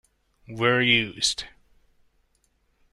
were used.